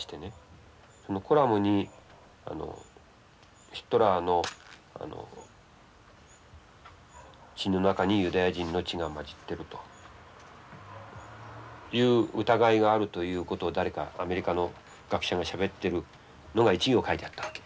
そのコラムにヒトラーの血の中にユダヤ人の血が混じっているという疑いがあるということを誰かアメリカの学者がしゃべってるのが１行書いてあったわけ。